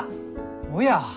おや。